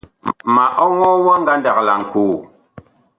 Ma ɔŋɔɔ ngandag wa laŋkoo.